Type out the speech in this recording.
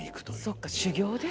そっか修業ですね。